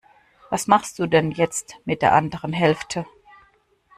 Was machst du denn jetzt mit der anderen Hälfte?